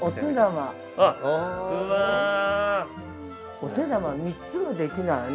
◆お手玉３つもできないわね